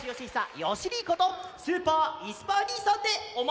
よしにいことスーパーいすパーにいさんでおま。